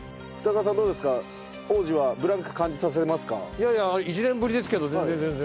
いやいや１年ぶりですけど全然全然。